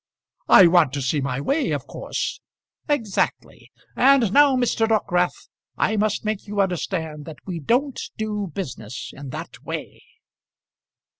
"I want to see my way, of course." "Exactly. And now, Mr. Dockwrath, I must make you understand that we don't do business in that way."